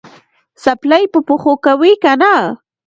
څپلۍ په پښو کوې که نه؟